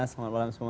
selamat malam semua